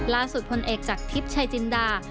ล่าสุดพลเอกจากทิพย์ชัยจินดา